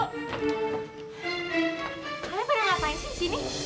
sebenarnya pada ngapain sih di sini